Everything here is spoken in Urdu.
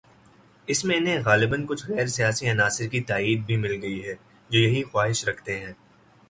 اس میں انہیں غالباکچھ غیر سیاسی عناصر کی تائید بھی مل گئی ہے" جو یہی خواہش رکھتے ہیں۔